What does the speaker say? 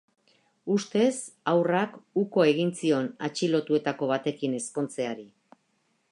Ustez, haurrak uko egin zion atxilotuetako batekin ezkontzeari.